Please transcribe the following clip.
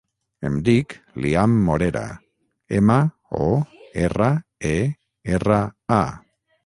Em dic Liam Morera: ema, o, erra, e, erra, a.